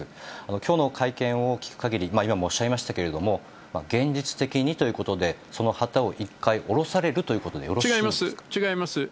きょうの会見を聞く限り、今もおっしゃいましたけれども、現実的にということで、その旗を一回降ろされるということでよろしいで違います、違います。